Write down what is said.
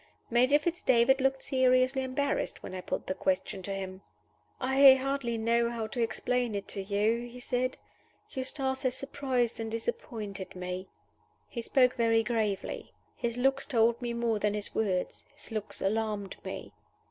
Major Fitz David looked seriously embarrassed when I put the question to him. "I hardly know how to explain it to you," he said. "Eustace has surprised and disappointed me." He spoke very gravely. His looks told me more than his words: his looks alarmed me.